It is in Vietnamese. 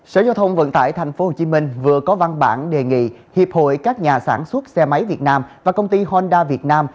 sở giao thông vận tải tp hcm vừa có văn bản đề nghị hiệp hội các nhà sản xuất xe máy việt nam và công ty honda việt nam